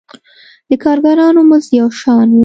د کارګرانو مزد یو شان و.